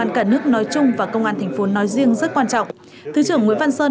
cả nước nói chung và công an thành phố nói riêng rất quan trọng thứ trưởng nguyễn văn sơn